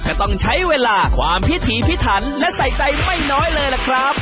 ก็ต้องใช้เวลาความพิถีพิถันและใส่ใจไม่น้อยเลยล่ะครับ